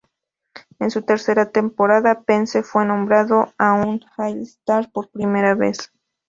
En su tercera temporada, Pence fue nombrado a un All-Star por primera vez.